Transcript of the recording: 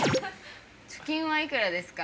「貯金はいくらですか？」